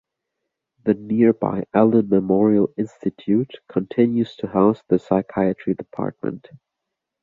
The nearby Allan Memorial Institute continues to house the psychiatry department.